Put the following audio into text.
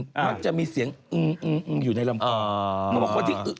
มันจะมีเสียงอื้ออื้ออื้ออยู่ในร่ำคอ